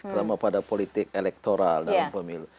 terima pada politik elektoral dan pemilu